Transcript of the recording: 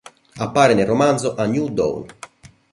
Appare nel romanzo "A New Dawn".